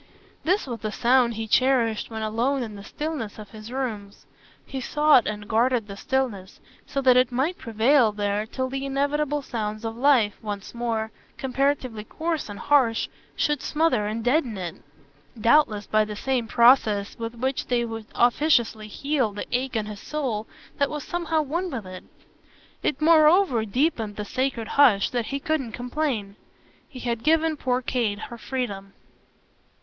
This was the sound he cherished when alone in the stillness of his rooms. He sought and guarded the stillness, so that it might prevail there till the inevitable sounds of life, once more, comparatively coarse and harsh, should smother and deaden it doubtless by the same process with which they would officiously heal the ache in his soul that was somehow one with it. It moreover deepened the sacred hush that he couldn't complain. He had given poor Kate her freedom.